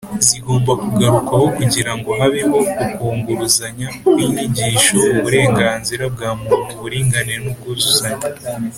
zigomba kugarukwaho kugirango habeho ukunguruzanya kw’inyigisho: uburenganzira bwa muntu, uburinganire n’ubwuzuzanye,